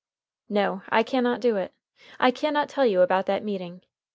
No, I can not do it; I can not tell you about that meeting.